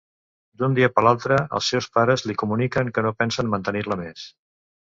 D'un dia per l'altre, els seus pares li comuniquen que no pensen mantenir-la més.